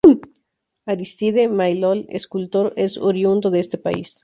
Aristide Maillol, escultor, es oriundo de este país.